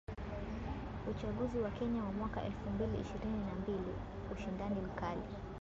Uchaguzi wa Kenya wa mwaka elfu mbili ishirini na mbili: ushindani mkali.